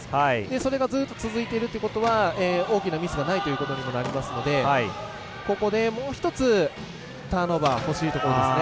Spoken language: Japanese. それがずっと続いているということは大きなミスがないということにもなりますのでここでもう１つ、ターンオーバー欲しいところですね。